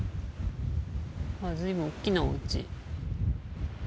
あっ随分おっきなおうち。